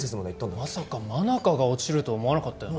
まさか真中が落ちるとは思わなかったよな。